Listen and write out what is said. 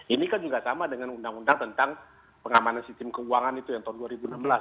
ini kan juga sama dengan undang undang tentang pengamanan sistem keuangan itu yang tahun dua ribu enam belas